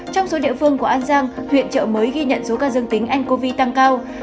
trong số địa phương của an giang huyện trợ mới ghi nhận số ca dương tính ncov tăng cao